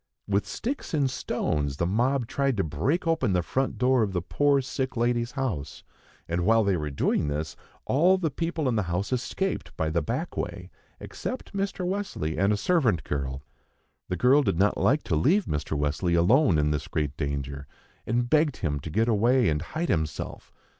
With sticks and stones the mob tried to break open the front door of the poor sick lady's house; and while they were doing this, all the people in the house escaped by the backway, except Mr. Wesley and a servant girl. The girl did not like to leave Mr. Wesley alone in this great danger, and begged him to get away and hide himself.